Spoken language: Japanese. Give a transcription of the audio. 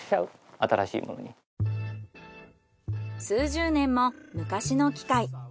数十年も昔の機械。